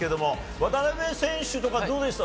渡辺選手はどうでしたか？